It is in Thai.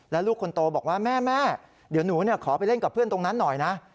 แล้วลูกคนโตบอกว่าแม่เดี๋ยวหนูขอไปเล่นกับเพื่อนตรงนั้นหน่อยนะ